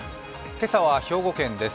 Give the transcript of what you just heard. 今朝は兵庫県です。